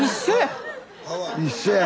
一緒や。